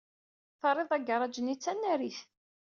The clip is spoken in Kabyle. Terrid agaṛaj-nni d tanarit.